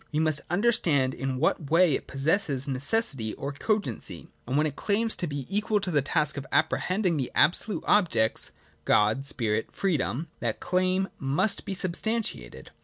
We must understand in what way it pos sesses necessity or cogency : and when it claims to be equal to the task of apprehending the absolute objects (God, Spirit, Freedom), that claim must be substan tiated.